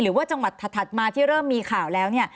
หรือว่าจังหวัดถัดมาที่เริ่มมีข่าวแล้วเนี่ย